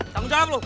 sanggup jalan lo